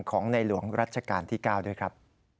ของในหลวงรัชกาลที่๙ด้วยครับ